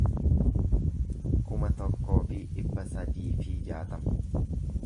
kuma tokkoo fi dhibba sadii fi jaatama